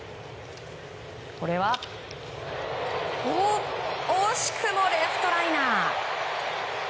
これは惜しくもレフトライナー。